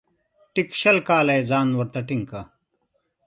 ټیک شل کاله یې ځان ورته ټینګ کړ .